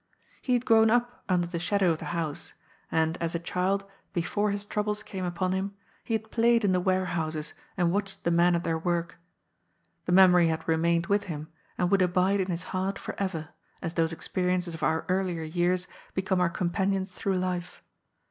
He had grown up nnder the shadow of the house, and as a child, before his troubles came upon him, he had played in the warehouses and watched the men at their work* The memory had re mained with him, and would abide in his heart for ever, as those experiences of our earlier years become our compan ions through life.